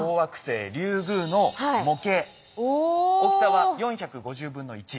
大きさは４５０分の１。